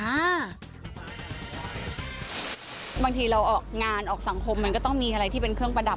บางทีเราออกงานออกสังคมมันก็ต้องมีอะไรที่เป็นเครื่องประดับ